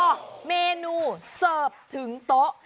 เมนูเสิร์ฟถึงโต๊ะ